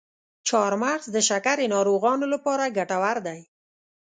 چارمغز د شکرې ناروغانو لپاره ګټور دی.